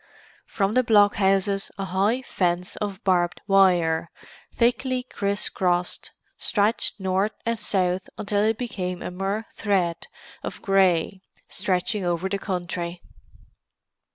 From the blockhouses a high fence of barbed wire, thickly criss crossed, stretched north and south until it became a mere thread of grey stretching over the country.